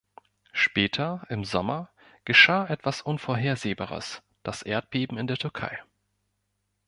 Später, im Sommer, geschah etwas Unvorhersehbares, das Erdbeben in der Türkei.